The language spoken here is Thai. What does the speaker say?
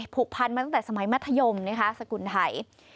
ผูกพันมาตั้งแต่สมัยมัธยมนะคะสกุลไทย